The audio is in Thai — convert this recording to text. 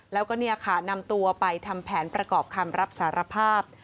แล้วก็เนี่ยค่ะนำตัวไปทำแผนประกอบคำรับสารภาพ